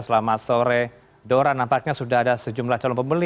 selamat sore dora nampaknya sudah ada sejumlah calon pembeli